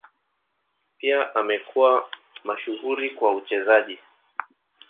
Pia amekuwa mashuhuri kwa uchezaji.